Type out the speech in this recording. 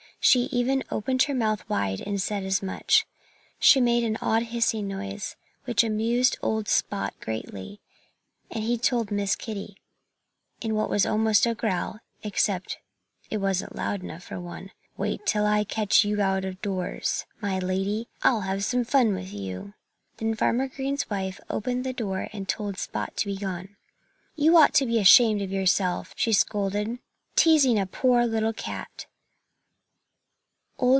She even opened her mouth wide and said as much. She made an odd hissing noise, which amused old Spot greatly. And he told Miss Kitty, in what was almost a growl (except that it wasn't loud enough for one), "Wait till I catch you out of doors, my lady! I'll have some fun with you." Then Farmer Green's wife opened the door and told Spot to be gone. "You ought to be ashamed of yourself " she scolded "teasing a poor little cat!"